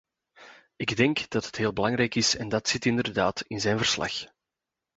Ik denk dat dat heel belangrijk is en dat zit inderdaad in zijn verslag.